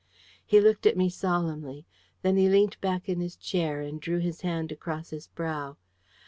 He looked at me solemnly. Then he leant back in his chair and drew his hand across his brow.